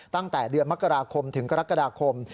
ตั้งแต่เดือนมกราคมถึงกรกฎาคม